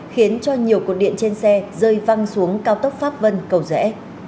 khiến cho nhiều cột điện trên xe rơi văng xuống cao tốc pháp vân cầu rẽ